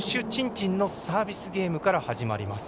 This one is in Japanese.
珍のサービスゲームから始まります。